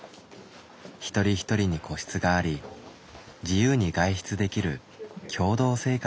一人一人に個室があり自由に外出できる共同生活の場です。